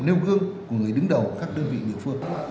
nêu gương của người đứng đầu các đơn vị địa phương